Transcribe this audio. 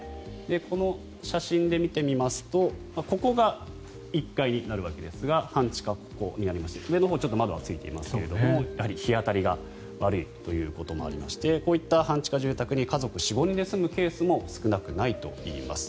この写真で見てみますとここが１階になるわけですが半地下はここになりまして上のほう、窓はついていますがやはり、日当たりが悪いということもありましてこういった半地下住宅に家族４５人で住むケースも少なくないといいます。